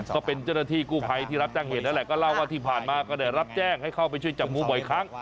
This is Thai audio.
ก็เป็นเจ้าหน้าที่กู้ภัยที่รับแจ้งเหตุนั่นแหละก็เล่าว่าที่ผ่านมาก็ได้รับแจ้งให้เข้าไปช่วยจับงูบ่อยครั้ง